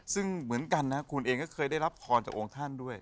ซึ่งเหมือนกันนะคุณเองก็เคยได้รับพรจากองค์ท่านด้วย